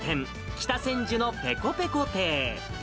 北千住のペコペコ亭。